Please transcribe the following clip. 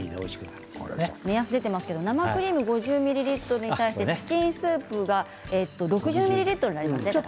生クリーム５０ミリリットルに対してチキンスープ６０ミリリットルになりますね。